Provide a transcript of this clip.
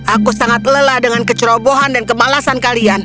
aku sangat lelah dengan kecerobohan dan kemalasanmu